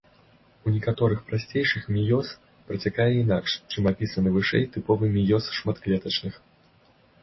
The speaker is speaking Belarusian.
У некаторых прасцейшых меёз працякае інакш, чым апісаны вышэй тыповы меёз шматклетачных.